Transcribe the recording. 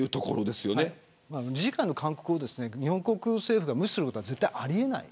理事会の勧告を日本国政府が無視することはありえません。